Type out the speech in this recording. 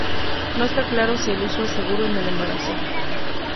No está claro si el uso es seguro en el embarazo.